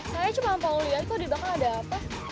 saya cuma mau lihat kok di belakang ada apa